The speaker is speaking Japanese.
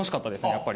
やっぱり。